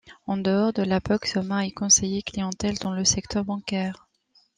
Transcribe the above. En dehors de la boxe, Omar est conseiller clientèle dans le secteur bancaire.